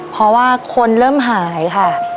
เพราะว่าคนเริ่มหายค่ะ